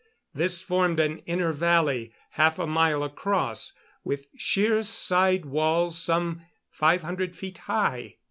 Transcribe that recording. This formed an inner valley, half a mile across and with sheer side walls some five hundred feet high.